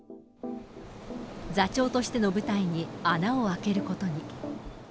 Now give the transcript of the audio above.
座長としての舞台に穴を開けることに。